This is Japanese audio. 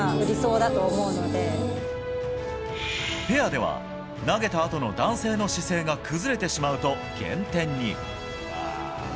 ペアでは投げたあとの男性の姿勢が崩れてしまうと減点に。